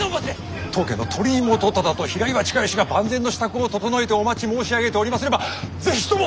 当家の鳥居元忠と平岩親吉が万全の支度を整えてお待ち申し上げておりますれば是非とも！